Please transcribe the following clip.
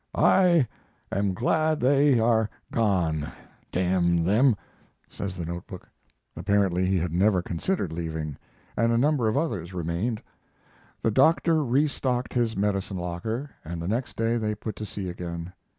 "I am glad they are gone. D n them," says the notebook. Apparently he had never considered leaving, and a number of others remained. The doctor restocked his medicine locker, and the next day they put to sea again.